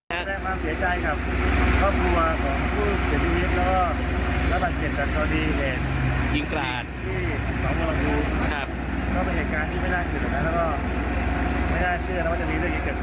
และหรือจะเกิดขึ้นในวันไทยได้และก็เช่าใจเยอะเห็นรูปก็โคลดได้บันเตียงใจ